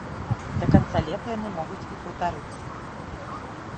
Да канца лета яны могуць і паўтарыцца.